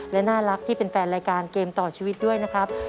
และน่ารักที่เป็นแฟนรายการเกมต่อชีวิตด้วยนะครับ